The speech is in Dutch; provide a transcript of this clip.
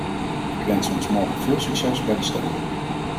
Ik wens ons morgen veel succes bij de stemming.